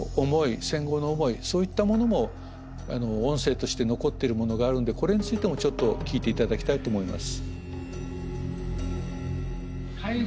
戦後の思いそういったものも音声として残ってるものがあるんでこれについてもちょっと聞いて頂きたいと思います。